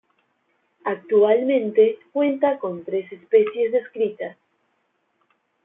Actualmente cuenta con tres especies descritas.